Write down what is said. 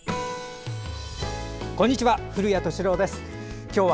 こんにちは。